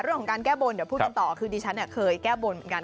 เรื่องของการแก้บนเดี๋ยวพูดกันต่อคือดิฉันเคยแก้บนเหมือนกัน